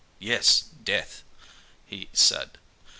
"Yes, death," he said.